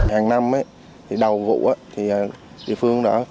hàng năm đầu vụ thì địa phương đó